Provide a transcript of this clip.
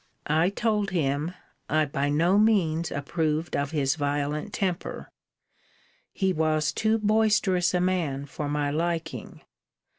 I told him, I by no means approved of his violent temper: he was too boisterous a man for my liking.